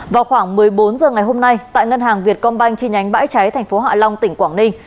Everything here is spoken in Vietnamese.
vào khoảng một mươi bốn h ngày hôm nay tại ngân hàng việt công banh chi nhánh bãi cháy thành phố hạ long tỉnh quảng ninh